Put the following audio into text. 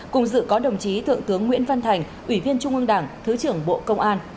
cùng dự có đồng chí thượng tướng nguyễn văn thành ủy viên trung ương đảng thứ trưởng bộ công an